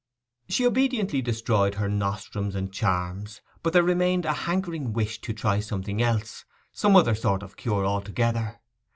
She obediently destroyed her nostrums and charms; but there remained a hankering wish to try something else—some other sort of cure altogether.